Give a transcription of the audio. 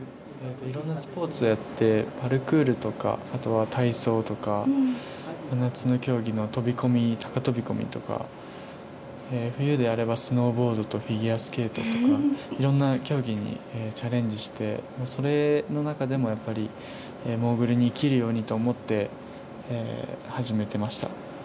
いろんなスポーツをやって、パルクールとか、あとは体操とか、夏の競技の飛び込み、高飛び込みとか、冬であればスノーボードとフィギュアスケートとか、いろんな競技にチャレンジして、それの中でもやっぱりモーグルに生きるようにと思って始めてまし